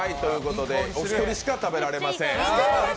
お一人しか食べられません。